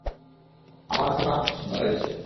আমার পুনাম পছন্দ হয়েছে।